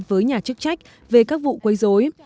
với nhà chức trách về các vụ quấy rối